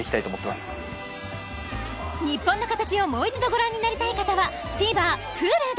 『ニッポンのカタチ』をもう一度ご覧になりたい方はＴＶｅｒＨｕｌｕで